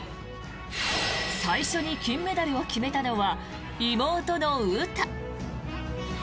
最初に金メダルを決めたのは妹の詩。